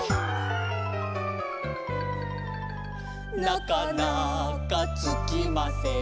「なかなかつきません」